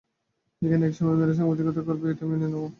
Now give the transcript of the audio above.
এখানে একসময় মেয়েরা সাংবাদিকতা করবে এটা মেনে নেওয়া যেন কঠিন বিষয় ছিল।